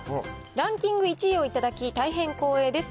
ランキング１位を頂き、大変光栄です。